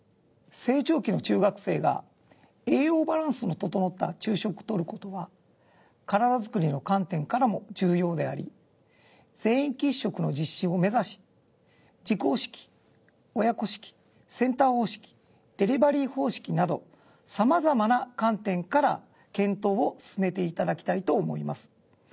成長期の中学生が栄養バランスの整った昼食を取る事は身体づくりの観点からも重要であり全員喫食の実施を目指し自校式親子式センター方式デリバリー方式など様々な観点から検討を進めていただきたいと思います。